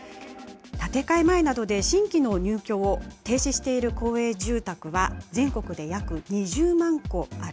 建て替え前などで新規の入居を停止している公営住宅は、全国で約２０万戸ある。